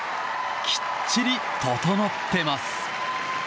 きっちり整ってます。